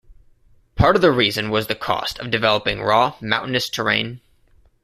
Part of the reason was the cost of developing raw mountainous terrain.